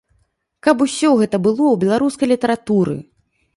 Каб усё гэта было ў беларускай літаратуры!